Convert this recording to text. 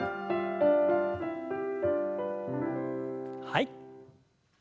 はい。